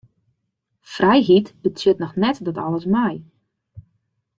Frijheid betsjut noch net dat alles mei.